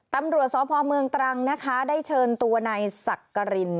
ตำรวจสพเมืองตรังนะคะได้เชิญตัวนายสักกริน